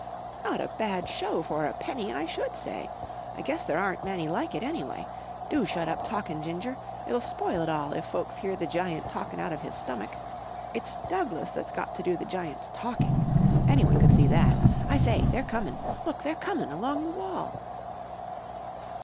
"Not a bad show for a penny, I should say. I guess there aren't many like it, anyway. Do shut up talkin', Ginger. It'll spoil it all, if folks hear the giant talking out of his stomach. It's Douglas that's got to do the giant's talking. Anyone could see that. I say, they're comin'! Look! They're comin'! Along the wall!"